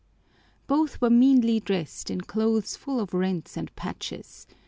Both were meanly dressed in clothes full of rents and patches.